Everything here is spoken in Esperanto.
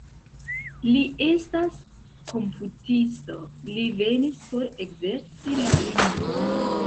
Li estas komputisto, li venis por ekzerci la lingvon.